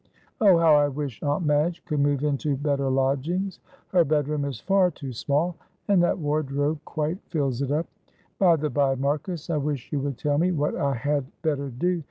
Oh, how I wish Aunt Madge could move into better lodgings; her bedroom is far too small, and that wardrobe quite fills it up. By the bye, Marcus, I wish you would tell me what I had better do.